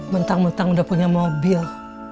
mentang mentang udah punya mobil